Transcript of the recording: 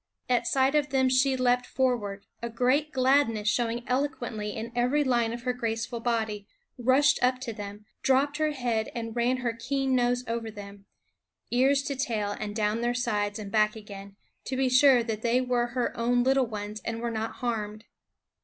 At sight of them she leaped forward, a great gladness showing eloquently in every line of her graceful body, rushed up to them, dropped her head and ran her keen nose over them, ears to tail and down their sides and back again, to be sure that they were her own little ones and were not harmed.